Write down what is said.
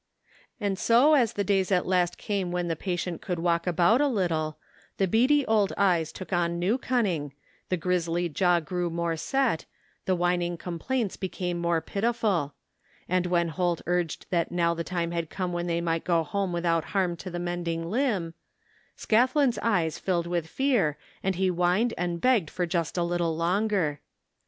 And so as the days at last came when the patient could walk about a little, the beady old eyes took on new cunning, the grizzly jaw grew more set, the whin* ing complaints became more pitiful; and when Holt urged that now the time had come when they might go home without harm to the mending limb, Scathlin's eyes filled with fear, and he whined and begged for just a little longer.